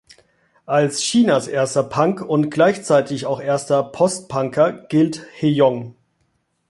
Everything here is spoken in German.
Als Chinas erster Punk und gleichzeitig auch erster Post-Punker gilt He Yong.